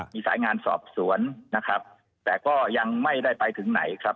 มีสายงานสอบสวนนะครับแต่ก็ยังไม่ได้ไปถึงไหนครับ